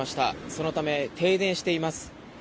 そのため、停電しています。